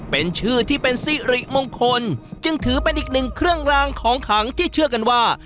เป็นชื่อที่เป็นสิริมงคลจึงถือเป็นอีกหนึ่งเครื่องรางของขังที่เชื่อกันว่า